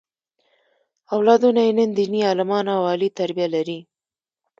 اولادونه یې نن دیني عالمان او عالي تربیه لري.